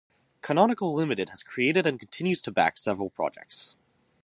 Canonical Limited has created and continues to back several projects.